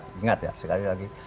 ingat ya sekali lagi